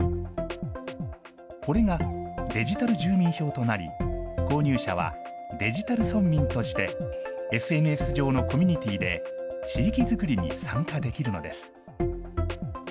これがデジタル住民票となり、購入者はデジタル村民として、ＳＮＳ上のコミュニティーで地域づくりに参加できるのです。